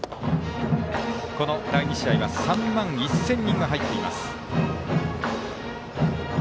この第２試合は３万１０００人が入っています。